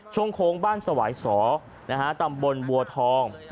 โค้งบ้านสวายสอตำบลบัวทอง